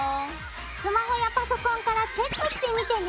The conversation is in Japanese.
スマホやパソコンからチェックしてみてね！